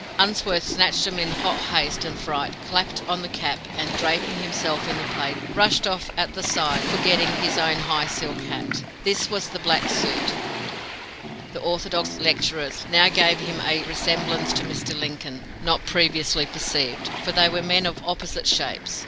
Unsworth snatched them in hot haste and fright, clapped on the cap, and, draping himself in the plaid, rushed off at the side, forgetting his own high silk hat. This, with the black suit, the orthodox lecturer's, now gave him a resemblance to Mr. Lincoln, not previously perceived, for they were men of opposite shapes.